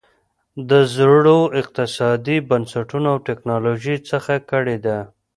د زړو اقتصادي بنسټونو او ټکنالوژۍ څخه کړېده.